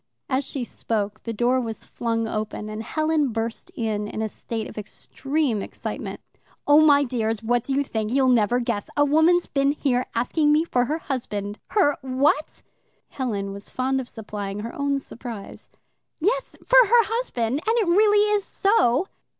As she spoke, the door was flung open, and Helen burst in in a state of extreme excitement. "Oh, my dears, what do you think? You'll never guess. A woman's been here asking me for her husband. Her WHAT?" (Helen was fond of supplying her own surprise.) "Yes, for her husband, and it really is so."